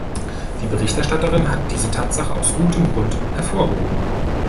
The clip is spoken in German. Die Berichterstatterin hat diese Tatsache aus gutem Grund hervorgehoben.